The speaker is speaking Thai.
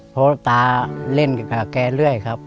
เพราะตาเล่นกับแกเรื่อยครับ